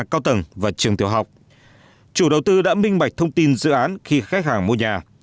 chủ đầu tư đã minh bạch thông tin dự án khi khách hàng mua nhà